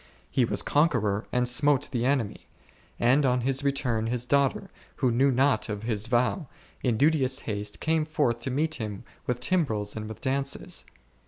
He was conqueror and smote the enemy, and on his return his daughter, who knew not of his vow, in duteous haste came forth to meet him with timbrels and with dances.